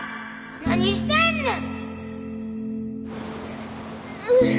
何してんねん！